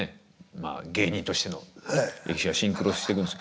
まあ芸人としての歴史がシンクロしていくんです。